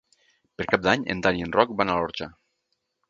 Per Cap d'Any en Dan i en Roc van a l'Orxa.